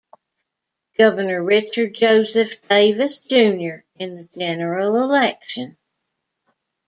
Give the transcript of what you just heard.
Governor Richard Joseph Davis Junior in the general election.